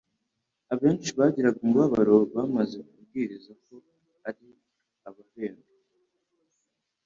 Abenshi bagiraga umubabaro bamaze kubwirwa ko ari ababembe,